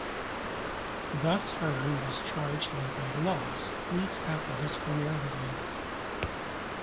Thus Hearn was charged with a loss, weeks after his career had ended.